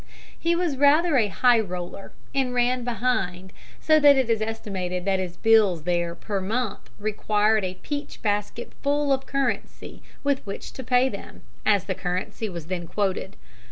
He was rather a high roller, and ran behind, so that it is estimated that his bills there per month required a peach basket full of currency with which to pay them, as the currency was then quoted.